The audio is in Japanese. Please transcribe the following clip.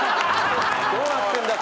どうなってんだ！